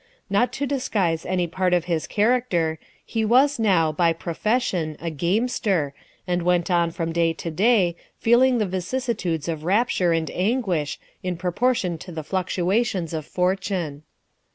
Not to disguise any part of his character, he was now, by profession, a gamester, and went on from day to day, feeling the vicissitudes of rapture and anguish, in proportion to the fluctuations of fortune.